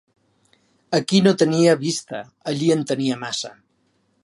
Aquí no tenia vista, allí en tenia massa;